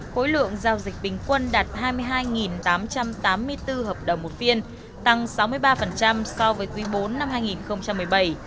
khối lượng giao dịch bình quân đạt hai mươi hai tám trăm tám mươi bốn hợp đồng một phiên tăng sáu mươi ba so với quý bốn năm hai nghìn một mươi bảy